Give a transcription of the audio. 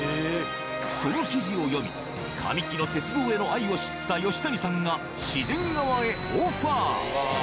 その記事を読み、神木の鉄道への愛を知った吉谷さんが、市電側へオファー。